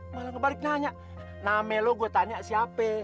malah kebalik nanya name lo gue tanya siapa